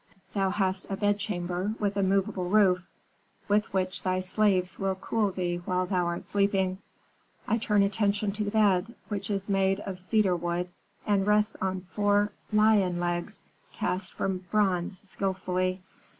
Thou hast a bedchamber with a movable roof, with which thy slaves will cool thee while thou art sleeping. I turn attention to the bed, which is made of cedar wood, and rests on four lion legs cast from bronze skilfully.